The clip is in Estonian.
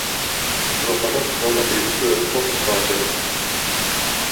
Juba Barack Obama püüdis pöörata fookust Aasiale.